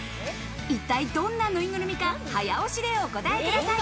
一体どんなぬいぐるみか、早押しでお答えください。